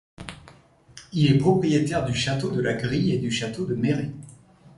Il est propriétaire du château de la Grille et du château de Méré.